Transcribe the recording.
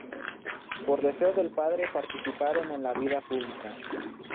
Por deseo del padre participaron en la vida pública.